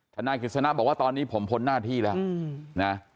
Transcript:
ทนายกฤษณะบอกว่าตอนนี้ผมพ้นหน้าที่แล้วนะ